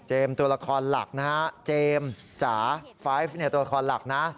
ตัวละครหลักนะฮะเจมส์จ๋าไฟฟ์ตัวละครหลักนะ